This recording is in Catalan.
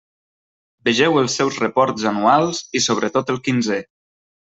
Vegeu els seus reports anuals, i sobretot el quinzè.